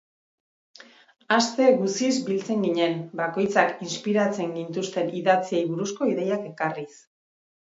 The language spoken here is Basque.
Aste guziz biltzen ginen, bakoitzak inspiratzen gintuzten idatziei buruzko ideiak ekarriz.